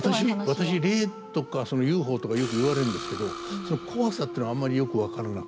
私霊とかＵＦＯとかよく言われるんですけどそのコワさっていうのあんまりよくわからなくて。